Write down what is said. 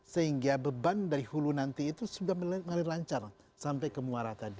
sehingga beban dari hulu nanti itu sudah mulai lancar sampai ke muara tadi